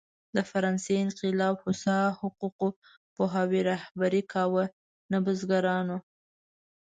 د فرانسې انقلاب هوسا حقوق پوهانو رهبري کاوه، نه بزګرانو.